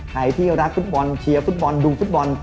ใครที่รักฟุตบอลเชียร์ฟุตบอลดูงฟุตบอล